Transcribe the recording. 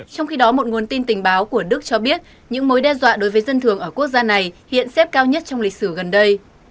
trong khi đó một nguồn tin tình báo của đức cho biết những mối đe dọa đối với dân thường ở quốc gia này hiện xếp cao nhất trong lịch sử gần đây